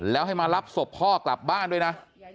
แล้วให้มารับศพพ่อกลับบ้านด้วยนะ